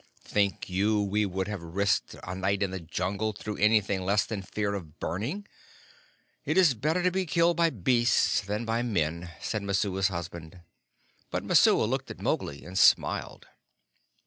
"Think you we would have risked a night in the Jungle through anything less than the fear of burning? It is better to be killed by beasts than by men," said Messua's husband; but Messua looked at Mowgli and smiled.